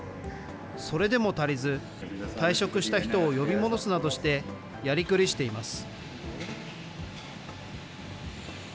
それでも足りず、退職した人を呼び戻すなどしてやりくりしています。